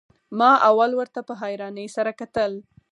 ما اول ورته په حيرانۍ سره کتل.